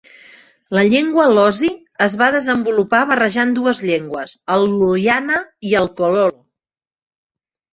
La llengua Lozi es va desenvolupar barrejant dues llengües: el Luyana i el Kololo.